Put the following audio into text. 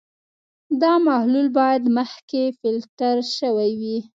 دا محلول باید مخکې فلټر شوی وي.